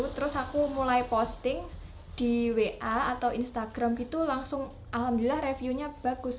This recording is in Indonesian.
terus aku mulai posting di wa atau instagram gitu langsung alhamdulillah reviewnya bagus